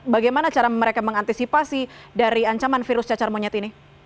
bagaimana cara mereka mengantisipasi dari ancaman virus cacar monyet ini